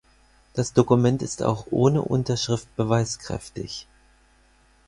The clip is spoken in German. Das Dokument ist auch ohne Unterschrift beweiskräftig.